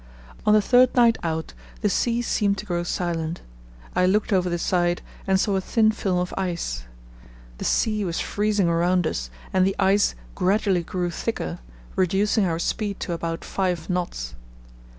On the third night out the sea seemed to grow silent. I looked over the side and saw a thin film of ice. The sea was freezing around us and the ice gradually grew thicker, reducing our speed to about five knots.